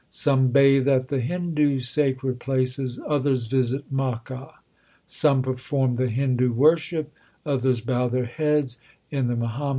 Some bathe at the Hindu sacred places, others visit Makka. Some perform the Hindu worship, others bow their heads in the Muhammadan fashion.